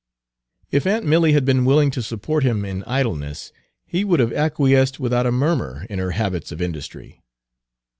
If aunt Milly had been willing to support him in idleness, he would have acquiesced without a murmur in her habits of industry.